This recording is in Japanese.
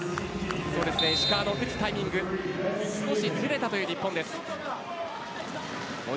石川の打つタイミングが少しずれたという日本。